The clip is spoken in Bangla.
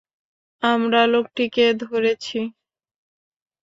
আমরা লোকটিকে ধরেছি।